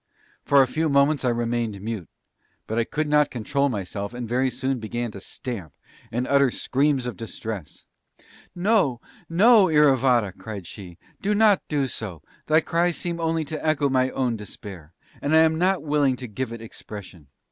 For a few moments I remained mute; but I could not control myself and very soon began to stamp and utter screams of distress. "No.... No! Iravata," cried she: "do not do so; thy cries seem only to echo my own despair and I am not willing to give it expression!